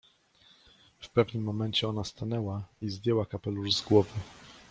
W pewnym momencie ona stanęła i zdjęła kapelusz z głowy.